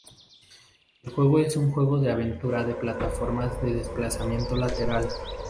El juego es un juego de aventura de plataformas de desplazamiento lateral.